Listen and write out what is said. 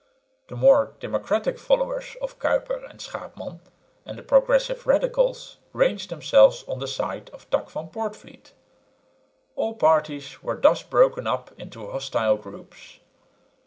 The more democratic followers of Kuyper and Schaepman and the progressive radicals ranged themselves on the side of Tak van Poortvliet. All parties were thus broken up into hostile groups.